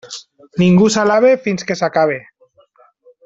Ningú s'alabe fins que s'acabe.